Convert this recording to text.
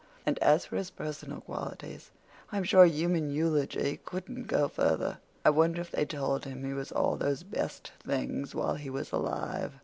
And as for his personal qualities, I'm sure human eulogy couldn't go further. I wonder if they told him he was all those best things while he was alive."